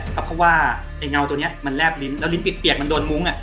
เพราะว่าไอ้เงาตัวนี้มันแลบลิ้นแล้วลิ้นเปียกมันโดนมุ้ง